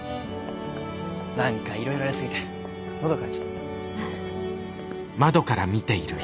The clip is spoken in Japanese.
何かいろいろありすぎて喉渇いちゃった。